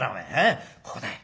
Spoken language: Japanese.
ここだい」。